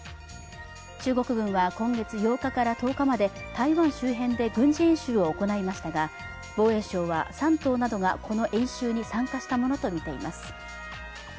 中国軍は今月８日から１０日まで台湾周辺で軍事演習を行いましたが、防衛省は「山東」などがこの演習に参加したものとみています。